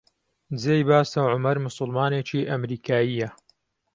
جێی باسە عومەر موسڵمانێکی ئەمریکایییە